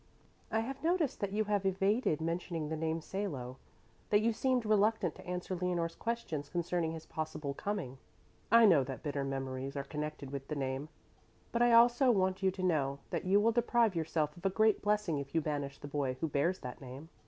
"I have noticed that you have evaded mentioning the name Salo, that you seemed reluctant to answer Leonore's questions concerning his possible coming. I know that bitter memories are connected with the name, but I also want you to know that you will deprive yourself of a great blessing if you banish the boy who bears that name."